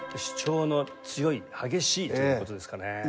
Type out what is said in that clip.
主張の強い激しいという事ですかね。